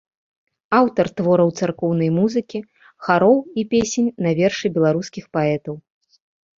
Аўтар твораў царкоўнай музыкі, хароў і песень на вершы беларускіх паэтаў.